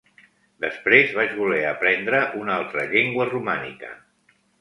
Després vaig voler aprendre una altra llengua romànica.